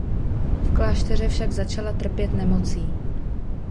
V klášteře však začala trpět nemocí.